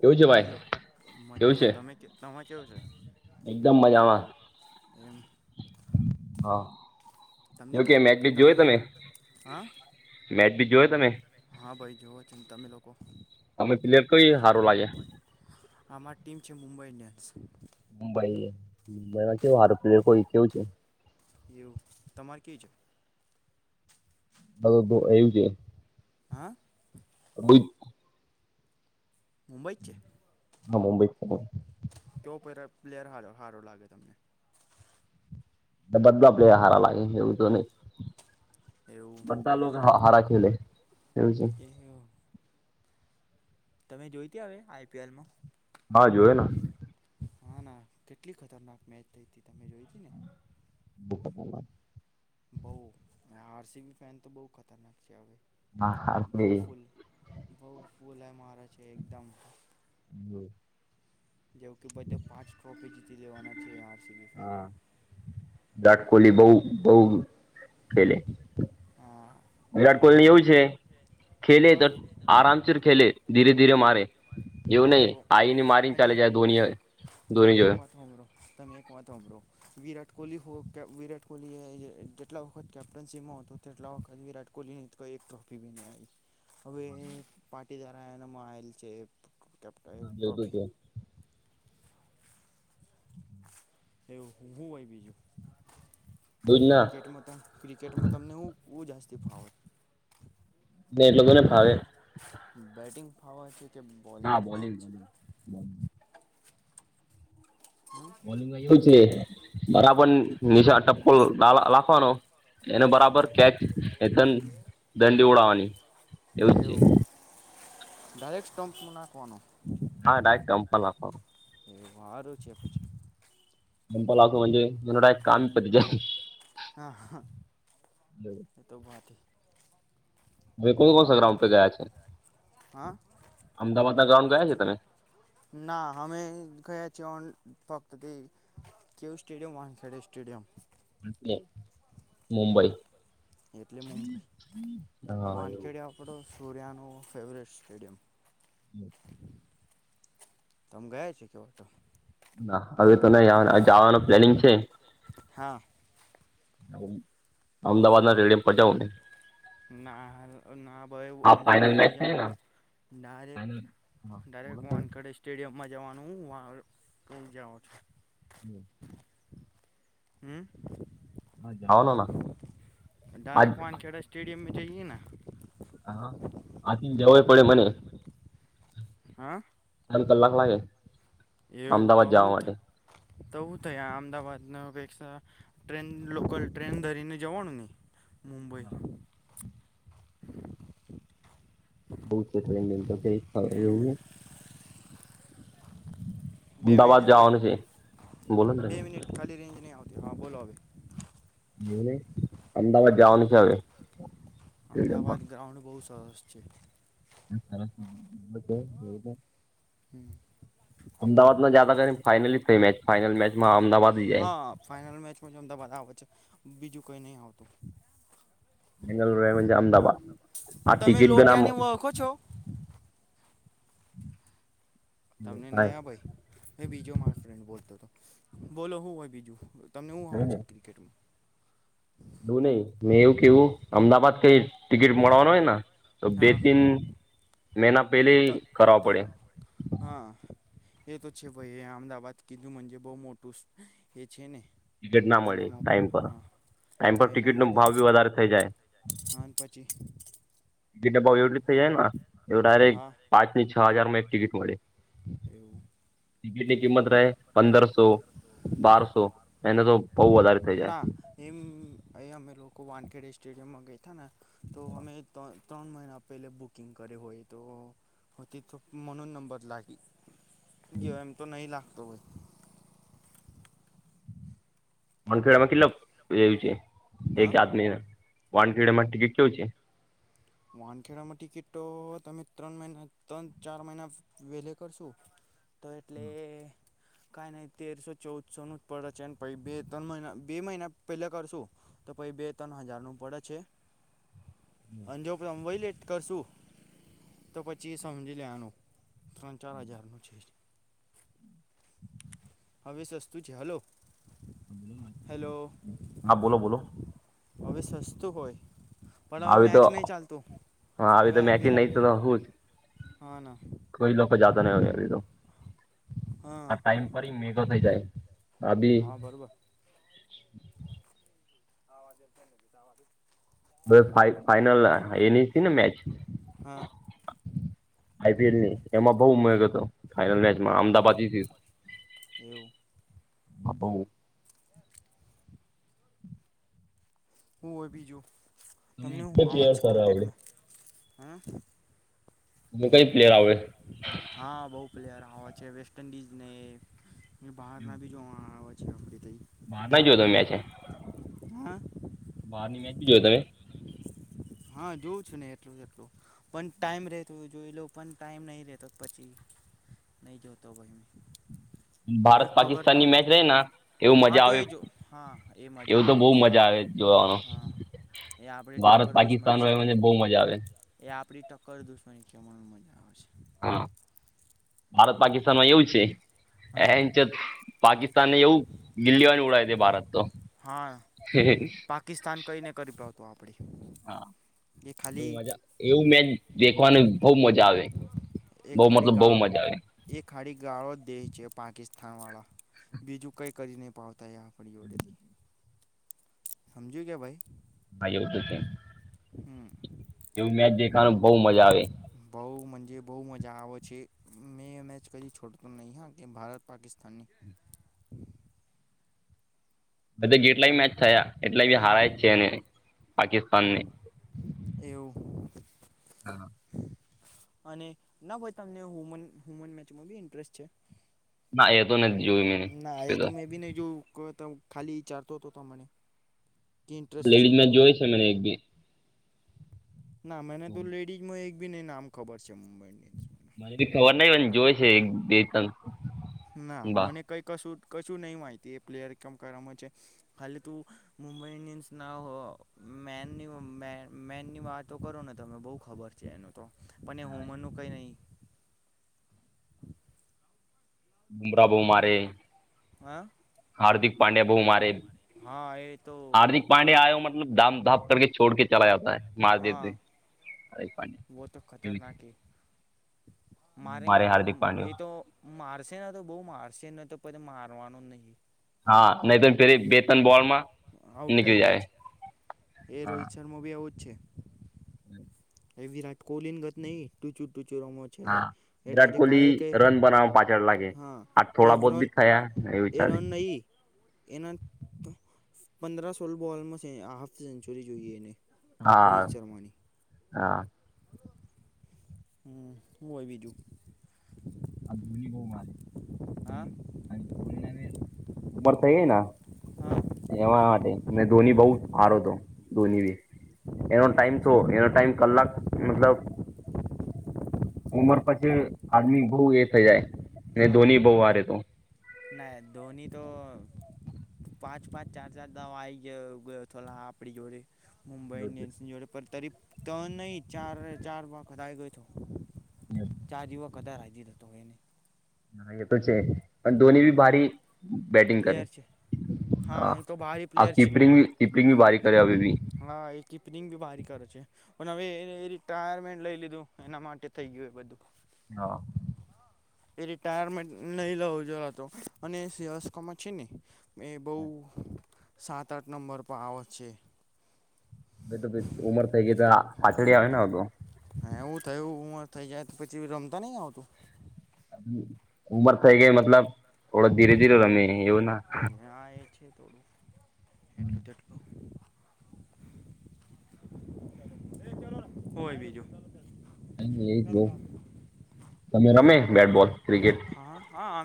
કેવું છે ભાઈ હેલો કેવું છે મજામાં ત તમે કેવો છે [inaudible] એકદમ મજામાં [inaudible] [inaudible] હા તમને જો ક કે મેચ બીચ જોયો તમને તમે હા [inaudible] મેચ બી જોય તમે હા ભાઈ જુઓ ચિંતામે લોકો [inaudible] અમે પ્લેયર કઈ સારું લાગ્યા આમારી ટીમ છે મુંબઈન્ડિયન્સ [inaudible] બમાં કેવું હારું પ્લેયર કોઈ કેવું છે [inaudible] એવું તમારે કે છે હ તો એવું છે હા [inaudible] [inaudible] મુંબઈ ચે હ મુંબઈ ફ બુપવેલર પ્લેયર હારો હારો લાગે તમને બદલો આપ આ હારા લાગે એવું તો નહી એવું બધા લોકો હારા ખેલે એવું છે એ તમે જોઈતી હ આઈપીએલમાં હા જોયે ના હા ના કેટલી ખતરનાક મેચ થઈ હતી તમે જોય ત ને બુમ્મ બુમ્મ માં બઉ આરસીગ પેન તો બ‌ઉ ખતરનાક છે હવે હા હા આપણે બહુ ઇજ ફૂલ બહુ બોલાય મારો છે એકદમ હમ જેવ કે બધા પાંચ ટ્રોફી જીતી લેવાના છે આ હા વિરાટ કોહલી બહુ બહુ ખેલે વિરાટ કોહલી એવું છે ખેલે પર તો આરામસર ખેલે ધીરે ધીરે મારે એવું હા તો નહી આઈ ને મારી ને અને ચાલે જ્યાં ધોની હોય. તમે એક વાત હોંભરો. તમે એક વાત હોંભરો વિરાટ કોહલી વિરાટ કોહલી કેટલા વખત કેપ્ટનસી માં હતો. તેટલા વખત વિરાટ કોહલી ની એક ટ્રોફી બી આઈ. હવે પાટીદાર એનામાં આવેલ છે. રુબ ટ્રોફી. એવું એવું હું હોય બીજું. જ ના ક્રિકેટમાં ક્રિકેટમાં તમને હ બુ જાસ્તી ફાવટ. એ લોકો ને ફાવે. બેટિંગ ફવા છે. કે હા ફાવે બોલિંગ. છે બરાબર નિશા ટપ્પ લાખવાનો. એને બરાબર હા કેચ એથન દંડી ઉડાવવાની. એવું છે. ડાયરેક્ટ સ્ટમપમાં નાખવાનો. હા ડાયરેક ટમ્પમાં નાખવાનો. એ વાર છે પછી. હા [unintelligible] હા એ તો ભથી. ભવે કોણ કો ગ્રાઉન્ડ તો ગયા છે હા અમદાવાદ ના ગ્રાઉન્ડ ગયા છે તમે. ના અમે ગયા છીએ ઓન. ભક્તતે કવ સ્ટેડિમ વાનખેડે સ્ટેડિયમ. એ. એવું મુંબઈ એટલે મુંબઈ હા એવું. સૂર્યાનું ફેવરેટ સ્ટેડિયમ. [inaudible] તમ ગયા છ કેવ તો. ના હવે તો નહી જવાનું પ્લેનિંગ છે. હા. અમદાવાદ ના રેડિયમ પટે્યાવને. ના ના ભાઈ આ ફાઈનલ અમદાવાદ મેચ નહી છે ને જવાનું ડાયરેક્ટ. ડાયરેક વાનખડે સ્ટેડિયમમાં જવાનું જા છું. હમ. હમ્મ. હવાલ ના આ [unintelligible] એમ જઇએ ના. આથી જવું પડે મને. હા. ત કલાક લાગે. એવું તો અમદાવાદ જવા હું માટે થ થય આ અમદાવાદ. પેક્ષા ટ્રેન લોકલ ટ્રેન ધરીને જવાનું નહી. મુંબઈ. બઉ છે ટ્રેનિ એવું એને. બે મિનિટ અમદાવાદ હ ભાઈ જવાનું છે બોલો ને બે તમે મિનિટ ખાલી રેન્જ નહી આવતી હા બોલો હવે. અમદાવાદ જવાનું છે હવે. સ્ટેડિયમમાં અમદાવાદ ગ્રાઉન્ડ બહુ સરસ છે. [inaudible] [unintelligible] અમદાવાદમાં જતા કરીને ફાઇનલ થઈ મેચ ફાઈનલ મેચમાં અમદાવાદ જાય. હા ફાઇનલ મેચમાં જ અમદાવાદ આવે છે બીજું કઈ નહી આવતું. બેંગાલુરજ અમદાવાદ આ તમે ટિકિટ બે ના આમ લોટિયાને ઓળખો છો તમને નહી આ ભાઈ મે બીજો મારો ફ્રેન્ડ બોલતો હતો બોલો હું હોય બીજું તમને એવું આવ છે ક્રિકેટમાં બું નહી મેં એવું કેવું અમદાવાદ કઈ ટિકિટ મળવાનો હોય ના તો બે હા તીન મહિના પેલે તો કરવા તો પડે હા એ તો છે ભાઈ અમદાવાદ કીધું મજ બહુ મોટું છે ને ટિકટ ના મળે એનામાં ટાઈમ ભાઈ પર હા ટાઈમ પર ટિકિટ પરિણામ નો તે ભાવ ભી વધારે થઇ જાય અને પછી ટિકિટ ભાવ એવવીી થઇ જાય એ ડાયરેક હા પાંચ ની છ હજાર માં એક ટિકિટ મળે એવું ટિકિટની કિંમત રહે પંદરસો બારસો એના તો બહુ વધારે થઈ જાય ના એમ એ અમે લોકો વાનખેડ સ્ટેડિયમ માં ગયા ને તો હમે તો ત્રણ મહિના પહેલે બુકિંગ કરે હોય તોતી તો મનો જ નંબર લાગી ગયો એમ તો નહી લાગતો હોય વાનખેડામાં કેટલ એું છે એક હા જાત ન વાનખેડે માં ટિકિટ શું છે વાહનખેડામાં ટિકિટો તમે ત્રણિના ત્રણ ચાર મહિના વેલે કરશો તો એટલે કઈ નઈ તેરસો ચૌદસો નું જ પડે છે ને પ બે ત્રણ મહિના બે મહિના પેલા કરશું તો પછી બે ત્રણ હજાર નું પડે છે [inaudible] અંજો રમ વય લેટ કરશું તો પછી સમજી લેવાનું ત્રણ ચાર હજારનું છે હવે સસ્તું છે હલો હેલો ોલો હા બોલો બોલો હવે સસ્તું હોય પણ હવે આવી તો મેચ નહીં ચાલતું હ આવી તો મેચિંગ નહી તો હું જ હના કોઈ લોકો જાતા નહી હોય બીધ આ હા ટાઈમ પર મેઘો થઈ જાય આભી હા બરોબર આવાજ એ બીધ આવાજ હ ફાઈનલ એની ને મેચ હા આઈપીએલ ની એમાં બહુ મા ગ હતી ફન મેમાં અમદાવાદ એવું હું હોય બીજું તમને યાર સારા આવડે હં ને કઈ પ્લેયર આવે હા બહુ પ્લેયર આવે છે વેસ્ટ ઇન્ડિઝને બહારના બી જોવા આવે છે આપણી તઈ બહાર ના જોયો તો મે છે હા બહારની મેચ બી જોયો તમે હા જોઉં છું ને એટલું જ એટલું પણ ટાઈમ રેતો જોઈ લો પણ ટાઈમ નહી રેતો પછી નહીં જોતો ભાઈ મે ભારત પાકિસ્તાનની મેચ રહે એવું હા મજા તો આવે એ જો હા એ મજા એવું તો આવે બહ છે બાર મજા આવે જોવાનું હા એ આપડી ટ પાકિસ્તાન મને બહુ મજા આવે એ આપણી ટક્કર દુસવાની કહેમવાની મજા આવે છે. હા, ભારત પાકિસ્તાનમાં એવું છે. હા એચ પાકિસ્તાન ને એવું ગિલ્લીવાને ઉડાાય તે ભારત તો. - હા પાકિસ્તાન કંઈને કરી. પાવતું આપડી હા, એ મજા, એવું મેચ દેખવાનું બહુ મજા આવે. એ બહુ ખાડી મતલબ બહુ ગાળ, મજા આવે એ ખાડી ગાળો. દેહ છે પાકિસ્તાન વાળા, બીજું કઈ કરી નહીં પાવતા એ આપણી જોડેથી. સમજ્યું કે ભાઈ. હા, એવું તો છે. હમ. એવું મેચ દેખવાનું બહુ મજા આવે. જે બહુ મજા આવે છે, મેં મેચ કે છોડતું નહીં, હા કે ભારત પાકિસ્તાનની. [unintelligible] બધા જેટલાય મેચ થયા, એટલાય બી હારે એવું જ છે. પાકિસ્તાનને એવું અને ના ભાઈ તમને મન હુમન મેચમાં બી ઇન્ટરેસ્ટ છે. ના, એ તો નથી જોયું ના મે એ તો. મેં બી નહીં જોયું ખાલી વિચારતો હતો મને. લેડીઝ મે જોય છે, મને એક ભી ના, મને તો લેડીઝમાં એક બી નહીંને નામ ખબર છે મુંબઈ ઇન્ડિયન્સ. મને બી ખબર નહીં, જોય છે એક, બે, ત્રણ. ના, બા મને કઈ કશું. કશું નહીં, માહિતી એ પ્લેયર કેમ કરવામાં છે હાલે તું મુંબઈ ઇન્ડિયન્સ ના. મેનની મેનની વાતો કરો ને, તને બહુ ખબર છે એનો. પણ એ હુમન નું કઈ નહીં. બરાબર, બહુ મારે. હા. હાર્દિક પાંડ્યા બહુ મારે, હા એ તો હાર્દિક પાંડ્યા આયો મતલબ ધામ ધામ. છોડ, ચાલ જતા માર હા દે. વો તો ખતરનાક એ મારે એ તો મારે છે. તો બહુ મારશેને, તો પણ મારવાનું જ નહીં. હા, નહી તો પ બે [unintelligible] આઉટ થઈ જાય છે એ રોહિત શર્મા ભી આવું જ છે. હમ. એ વિરાટ કોહલી ની ગત નહિં, તું ચ હા, વિરાટ કોહલી કે રન બનાવા પાછળ લાગે, હા આજ એ થોડા બહુત રન ભી ખાયા. એ રન નહીં, એના. પંદરા સોળ બોલમાં હાફ સેન્ચુરી જોઈએ એને, હા રોહિત શર્માની હા. હમ, હું હોય બીજું. આ ધોની બહુ મારે. હા થઈ જઈને. હા એના માટે મે ધોની બહુ મારો હતો. ધોની, એનો એ ટાઈમ તો એનો ટાઈમ કલાક મતલબ. ઉંમર પછી આદમી બહુ એ થઇ જાય, હા ધોની બહુ હારે તો. ના ધોની તો. પાંચ પાંચ, ચાર ચાર દવા આ આવી ગયો આપડી જોડે. મુંબઈ ઇન્ડિયન્સ ની જોડે પણ તરી ત નહીં, ચાર ચાર વાખત આવી ગયો તો. ચાર જવો કદાચ રાજી જતો હોયને. હ, એ તો છે. પણ દોની બી ભારી બેટિંગ કરે. પ્લેયર છે હા એ તો બારે પ્લેયર છેને કીપરિંગ બી બારી કરે હવે બી હા એ કીપરિંગ બી બારી કરે છે પણ હવે રિટાયરમેન્ટ લઈ લીધું એના માટે થઈ ગયું એ બધું હા એ રિટાયરમેન્ટ નહી લેવું જો તો અને સહસ્કોમાં છે ને એ બહ સાત આઠ નંબર પર આવત છે બે તો ઉમર થઈ ગઈ ત પાછડઆવે ને બધું એવું થયું ઉંમર થઈ જાય તો પછી રમતા નહી આવતું ઉમર થઈ ગઈ મતલબ થોડો ધીરે ધીરે રમે એવું ના હા છે થોડું એટલું તેટલું ચ કોય બીજું એજ બ તમે રમે બેટબોલ ક્રિકેટ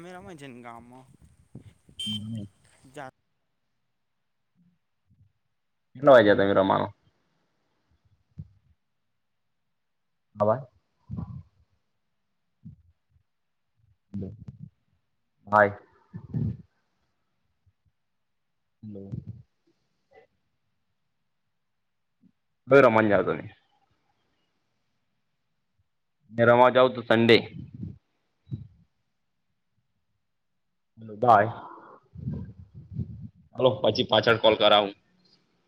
મેરા મ જેન ગામમાં હમ કેટલો વાયઞયા તમે રમવાનુ હા ભાઈ હ હાય હલો બ રમજ ત મે રમવા જાવ તોું સન્ડે હ ભાય હલો પછી પાછળ કોલ કરાવાવું